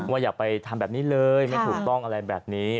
อย่าไปทำแบบนี้เลยไม่ถูกต้องอะไรแบบนี้